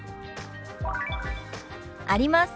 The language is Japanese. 「あります」。